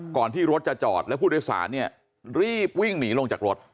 ที่รถจะจอดแล้วผู้โดยสารเนี่ยรีบวิ่งหนีลงจากรถ